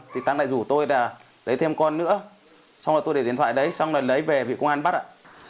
thì thắng lại rủ tôi là lấy thêm con nữa xong rồi tôi để điện thoại đấy xong rồi lấy về vì công an bắt ạ